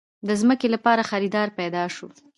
د ځمکې لپاره خريدار پېدا شو.